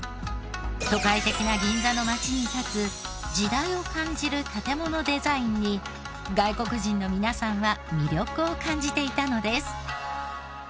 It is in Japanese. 都会的な銀座の街に立つ時代を感じる建ものデザインに外国人の皆さんは魅力を感じていたのです。